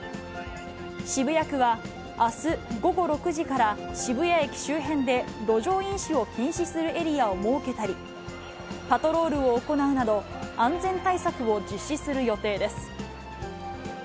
渋谷区はあす午後６時から、渋谷駅周辺で路上飲酒を禁止するエリアを設けたり、パトロールを行うなど、安全対策を実施する予定です。